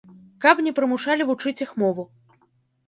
Каб не прымушалі вучыць іх мову.